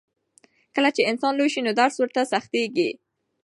کله چې انسان لوی شي نو درس ورته سختېږي.